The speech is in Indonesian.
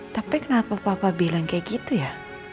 tapi kenapa papa bilang kayak gitu ya